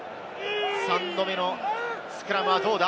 ３度目のスクラムは、どうだ？